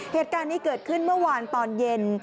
เหตุการณ์นี้เกิดขึ้นเมื่อวานตอนเย็น